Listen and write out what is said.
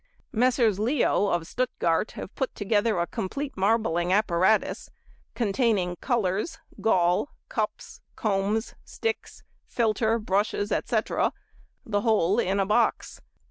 Messrs. Leo, of Stuttgart, have put together a complete marbling apparatus, containing colours, gall, cups, combs, sticks, filter, brushes, etc., the whole in a box.